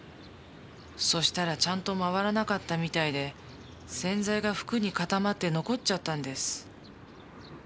そしたらちゃんと回らなかったみたいで洗剤が服に固まって残っちゃったんです。